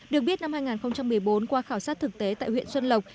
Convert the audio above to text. được biết năm hai nghìn một mươi bốn qua khảo sát thực tế tại huyện xuân lộc